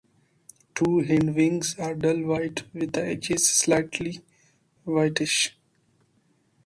Two hind wings are dull white with the edges slightly whitish.